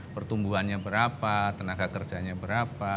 pertumbuhannya berapa tenaga kerjanya berapa